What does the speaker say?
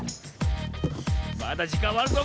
まだじかんはあるぞ！